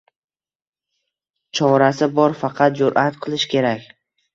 Chorasi bor, faqat jur’at qilish kerak.